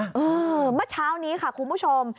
เออมันเช้านี้ค่ะคุณผู้ชม